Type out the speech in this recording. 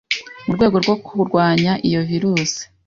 mu rwego rwo kurwanya iyo virusi.